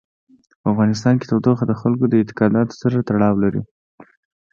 په افغانستان کې تودوخه د خلکو د اعتقاداتو سره تړاو لري.